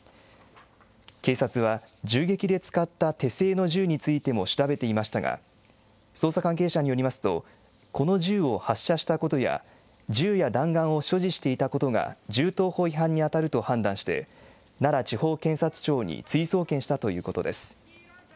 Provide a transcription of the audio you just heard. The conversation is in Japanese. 警察は、銃撃で使った手製の銃についても調べていましたが、捜査関係者によりますと、この銃を発射したことや、銃や弾丸を所持していたことが、銃刀法違反に当たると判断して、奈良地方検察庁に追送検したということです。